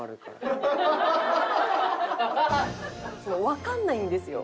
わかんないんですよ。